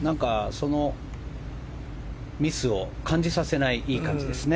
そのミスを感じさせないいい感じですね。